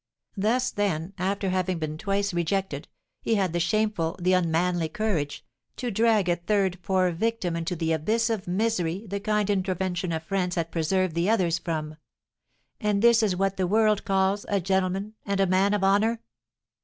Thus, then, after having been twice rejected, he had the shameful, the unmanly courage, to drag a third poor victim into the abyss of misery the kind intervention of friends had preserved the others from. And this is what the world calls a gentleman and a man of honour!"